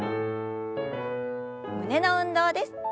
胸の運動です。